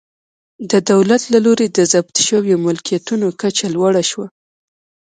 د دولت له لوري د ضبط شویو ملکیتونو کچه لوړه شوه